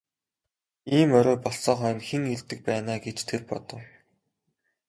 Ийм орой болсон хойно хэн ирдэг байна аа гэж тэр бодов.